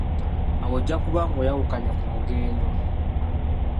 Awo ojja kuba ng'oyawukanye ku mugendo.